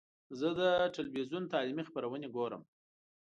زه د ټلویزیون تعلیمي خپرونې ګورم.